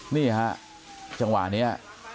นี่ฮะจังหวะนี้